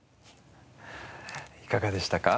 いかがでしたか？